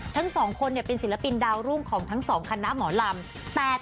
ทั้ง๒คนเป็นศิลปินดาวรุ่งของทั้ง๒คณะหมอลำ